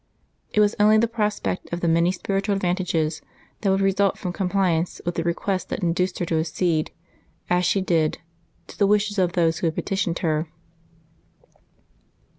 It was only the prospect of the many spiritual advantages that would result from com pliance with the request that induced her to accede, as she did, to the wishes of those who had petitioned her.